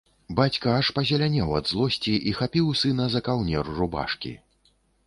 Бацька аж пазелянеў ад злосці і хапіў сына за каўнер рубашкі.